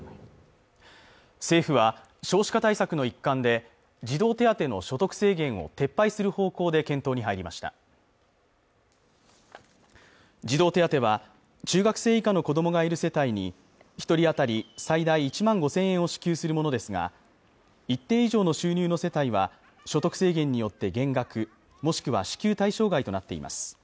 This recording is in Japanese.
政府は少子化対策の一環で児童手当の所得制限を撤廃する方向で検討に入りました児童手当は中学生以下の子どもがいる世帯に一人あたり最大１万５０００円を支給するものですが一定以上の収入の世帯は所得制限によって減額もしくは支給対象外となっています